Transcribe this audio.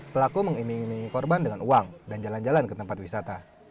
pelaku mengiming imingi korban dengan uang dan jalan jalan ke tempat wisata